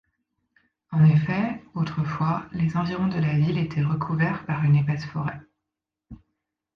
En effet, autrefois, les environs de la ville étaient recouverts par une épaisse forêt.